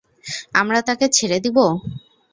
আমরা তাকে ছেড়ে দিব?